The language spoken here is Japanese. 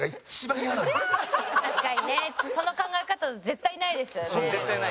確かにねその考え方絶対ないですよね。